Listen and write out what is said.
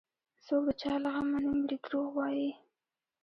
څوك د چا له غمه نه مري دروغ وايي